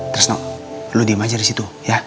trisno lo diem aja disitu ya